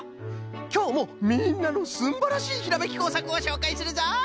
きょうもみんなのすんばらしいひらめきこうさくをしょうかいするぞい！